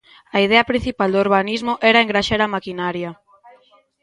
A idea principal do urbanismo era engraxar a maquinaria.